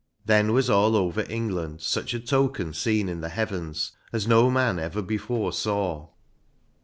Then was over all Eng land sQch a token seen in the heavens as no man ever before saw.